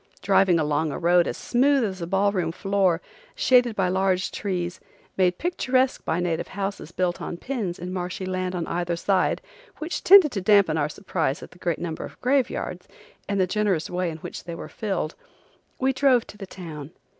Driving along a road as smooth as a ball room floor, shaded by large trees, made picturesque by native houses built on pins in marshy land on either side, which tended to dampen our surprise at the great number of graveyards and the generous way in which they were filled, we drove to the town.